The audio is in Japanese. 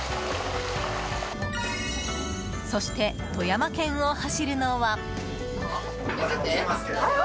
そして、富山県を走るのは。